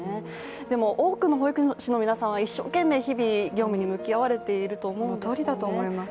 でも多くの保育士の皆さんは一生懸命日々業務に向き合われているんですよね。